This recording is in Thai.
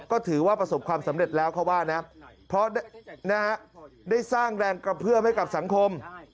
ก็ถือว่าประสบความสำเร็จแล้วเขาว่านะเพราะได้สร้างแรงกระเพื่อมให้กับสังคม